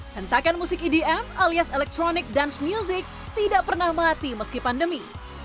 hentakan musik edm alias electronic dance music tidak pernah mati meski pandemi